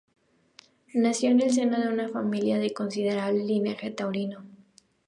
Nació en el seno de una familia de considerable linaje taurino.